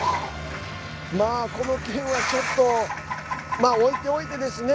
この件は、ちょっと置いておいてですね。